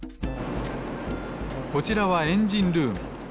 こちらはエンジンルーム。